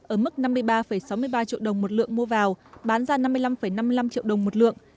ở mức năm mươi ba sáu mươi ba triệu đồng một lượng mua vào bán ra năm mươi năm năm mươi năm triệu đồng một lượng